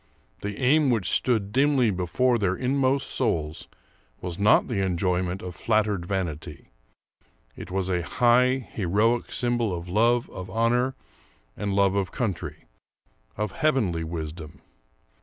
The aim which stood dimly before their inmost souls was not the enjoyment of flattered vanity; it was a high, heroic symbol of love of honor and love of country, of heavenly wisdom.